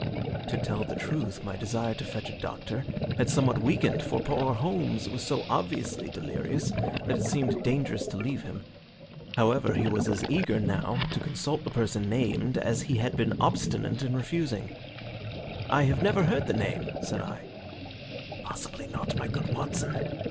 To tell the truth, my desire to fetch a doctor had somewhat weakened, for poor Holmes was so obviously delirious that it seemed dangerous to leave him. However, he was as eager now to consult the person named as he had been obstinate in refusing. "I never heard the name," said I. "Possibly not, my good Watson.